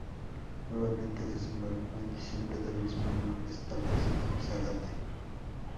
Nuevamente desembarcó en diciembre del mismo año, esta vez en Zárate.